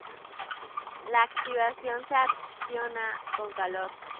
La activación se acciona con calor.